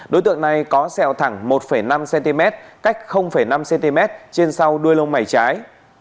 đối tượng này có xeo thẳng một năm cm cách năm cm trên sau đuôi lông mảy trái